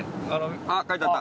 あっ書いてあった！